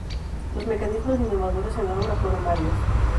Los mecanismos innovadores en la obra fueron varios.